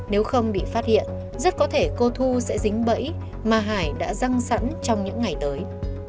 nếu không bị phát hiện rất có thể cô thu sẽ dính bẫy mà hải đã răng sẵn trong những ngày tới